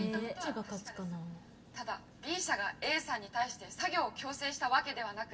ただＢ社がＡさんに対して作業を強制したわけではなく。